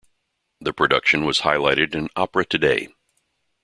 The production was highlighted in "Opera Today".